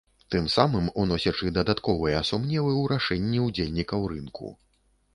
Тым самым уносячы дадатковыя сумневы ў рашэнні ўдзельнікаў рынку.